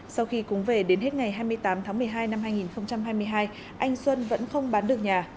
sau khi cúng về đến hết ngày hai mươi tám tháng một mươi hai năm hai nghìn hai mươi hai anh xuân vẫn không bán được nhà